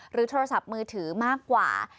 โทรศัพท์มือถือมากกว่า